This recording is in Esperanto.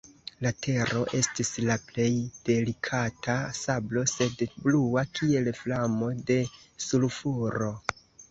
La tero estis la plej delikata sablo, sed blua, kiel flamo de sulfuro.